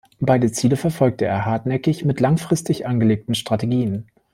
Beide Ziele verfolgte er hartnäckig mit langfristig angelegten Strategien.